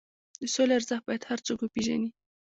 د سولې ارزښت باید هر څوک وپېژني.